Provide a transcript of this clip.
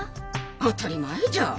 当たり前じゃ。